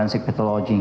untuk patologi forensik